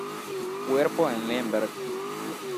Cuerpo en Lemberg.